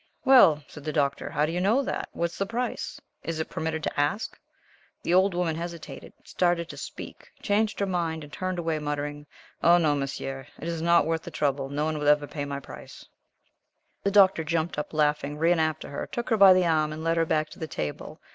"Well," said the Doctor, "how do you know that? What is the price? Is it permitted to ask?" The old woman hesitated, started to speak changed her mind, and turned away, muttering. "Oh, no, Monsieur, it is not worth the trouble no one will ever pay my price." The Doctor jumped up, laughing, ran after her, took her by the arm, and led her back to the table.